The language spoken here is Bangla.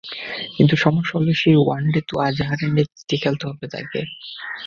কিন্তু সমস্যা হলো, সেই ওয়ানডে তো আজহারের নেতৃত্বেই খেলতে হবে তাঁকে।